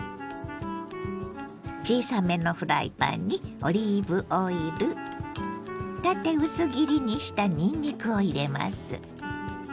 小さめのフライパンにオリーブオイル縦薄切りにしたにんにくを入れます。